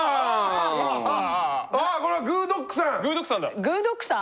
あこれは「グぅ！ドッグ」さん。